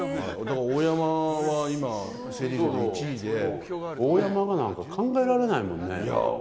大山はセ・リーグ１位で大山なんか、考えられないもんね。